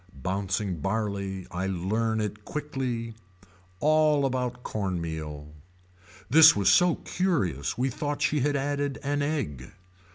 Bouncing barley I learn it quickly. All about corn meal. This was so curious we thought she had added an egg.